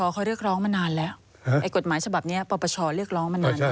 กฎหมายฉบับนี้ประปเชาะเรียกร้องมานานน่ะ